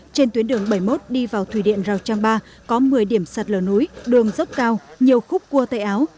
trên tuyến đường bảy mươi một đi vào thủy điện rào trang ba có một mươi điểm sạt lở núi đường dốc cao nhiều khúc cua tay áo